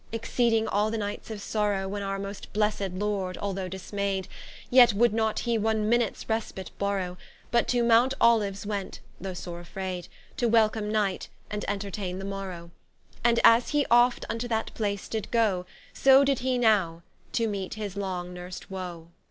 exceeding all the nights of sorrow, When our most blessed Lord, although dismayd, Yet would not he one Minutes respite borrow, But to Mount Oliues went, though sore afraid, To welcome Night, and entertaine the Morrow; And as he oft vnto that place did goe, So did he now, to meet his long nurst woe.